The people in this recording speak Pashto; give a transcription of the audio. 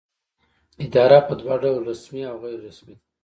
اداره په دوه ډوله رسمي او غیر رسمي ده.